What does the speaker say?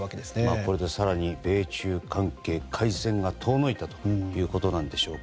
これで更に米中関係改善が遠のいたということでしょうか。